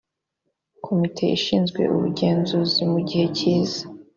komite ishinzwe ubugenzuzi mu gihe cyiza